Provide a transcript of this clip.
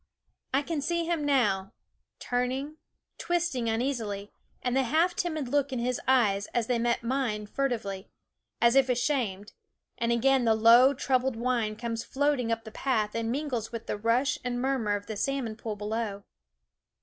I can see him now, turning, twisting uneasily, and the half timid look in his eyes as they met mine furtively, as if ashamed; and again the low, troubled whine comes floating up the path and mingles with the rush and murmur of the salmon pool below.